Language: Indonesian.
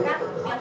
apakah juga ini